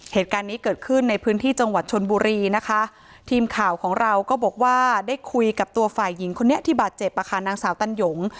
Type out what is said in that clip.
เหตุการณ์นี้เกิดขึ้นในพื้นที่จังหวัดชนบุรีนะคะทีมข่าวของเราก็บอกว่าได้คุยกับตัวฝ่ายหญิงคนนี้ที่บาดเจ็บอ่ะค่ะนางสาวตันหยง